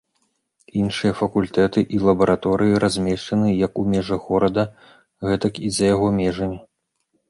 Іншыя факультэты і лабараторыі размешчаны як у межах горада, гэтак і за яго межамі.